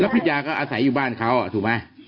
พิชยาก็อาศัยอยู่บ้านเขาถูกไหม